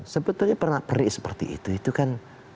sebetulnya pernak pernik seperti itu kan